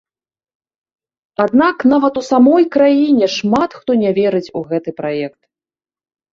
Аднак нават у самой краіне шмат хто не верыць у гэты праект.